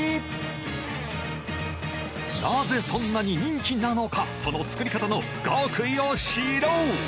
なぜそんなに人気なのかその作り方の極意をシロウ！